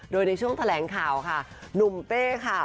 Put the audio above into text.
โดยในช่วงแถลงข่าวค่ะหนุ่มเป้ค่ะ